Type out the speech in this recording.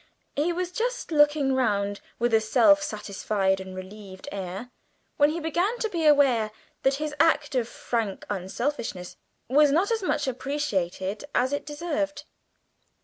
He was just looking round with a self satisfied and relieved air, when he began to be aware that his act of frank unselfishness was not as much appreciated as it deserved.